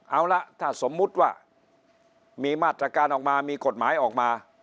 เอาละถ้าสมมุติว่ามีมาตรการออกมามีกฎหมายออกมา